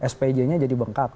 spj nya jadi bengkak